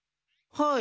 はい！